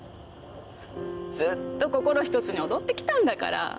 ずっと心一つに踊ってきたんだから。